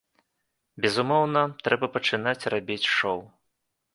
Безумоўна, трэба пачынаць рабіць шоў!